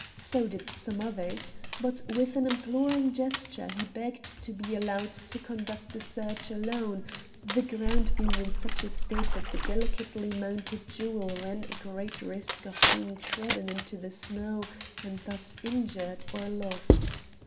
So did some others. But, with an imploring gesture, he begged to be allowed to conduct the search alone, the ground being in such a state that the delicately mounted jewel ran great risk of being trodden into the snow and thus injured or lost.